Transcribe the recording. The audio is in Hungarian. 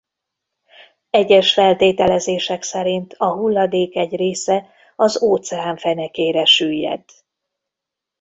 Egyes feltételezések szerint a hulladék egy része az óceán fenekére süllyed.